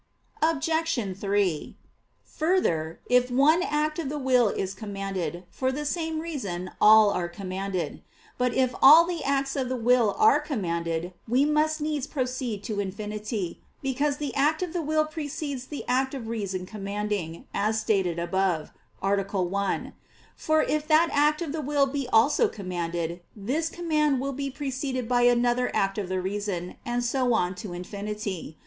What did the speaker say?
Obj. 3: Further, if one act of the will is commanded, for the same reason all are commanded. But if all the acts of the will are commanded, we must needs proceed to infinity; because the act of the will precedes the act of reason commanding, as stated above (A. 1); for if that act of the will be also commanded, this command will be preceded by another act of the reason, and so on to infinity.